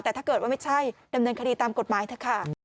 แต่ถ้าเกิดว่าไม่ใช่ดำเนินคดีตามกฎหมายเถอะค่ะ